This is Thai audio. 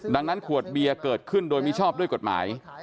ดังนั้นขวดเบียร์เกิดขึ้นโดยมิชอบด้วยกฎหมาย